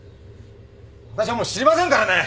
私はもう知りませんからね！